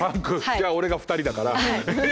じゃあ俺が２人だから。